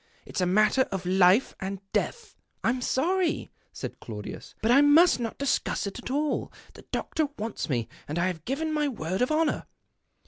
It's a matter of life or death." " I'm sorry," said Claudius, " hut I must not discuss it at all. The doctor wants me, and I have given my word of honour."